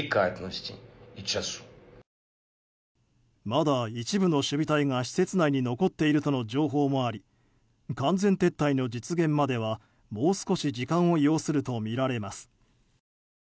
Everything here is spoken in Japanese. まだ一部の守備隊が施設内に残っているとの情報もあり完全撤退の実現までは、もう少し時間を要するとみられます。